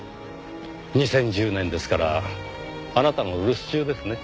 ２０１０年ですからあなたの留守中ですね。